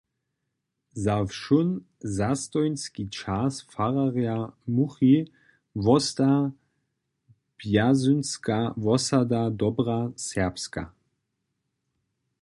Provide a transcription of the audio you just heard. Za wšón zastojnski čas fararja Muchi wosta Brjazynska wosada dobra serbska.